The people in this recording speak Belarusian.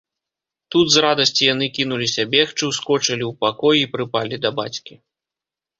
Тут з радасці яны кінуліся бегчы, ускочылі ў пакой і прыпалі да бацькі